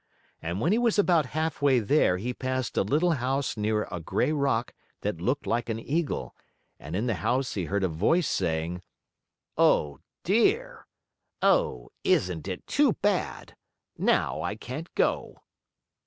And when he was about half way there he passed a little house near a gray rock that looked like an eagle, and in the house he heard a voice saying: "Oh, dear! Oh, isn't it too bad? Now I can't go!"